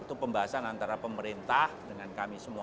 itu pembahasan antara pemerintah dengan kami semua